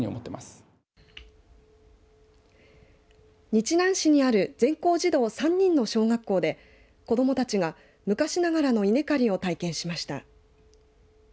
日南市にある全校児童３人の小学校で子どもたちが昔ながらの稲刈りを体験しました。